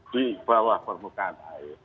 di bawah permukaan air